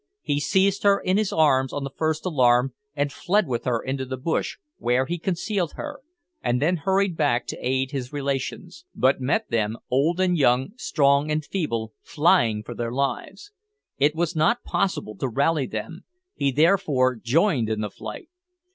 He seized her in his arms on the first alarm, and fled with her into the bush, where he concealed her, and then hurried back to aid his relations, but met them old and young, strong and feeble flying for their lives. It was not possible to rally them; he therefore joined in the flight.